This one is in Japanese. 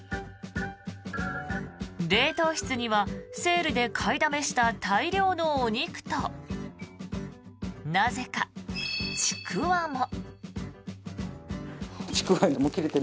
冷凍室にはセールで買いだめした大量のお肉となぜか、ちくわも。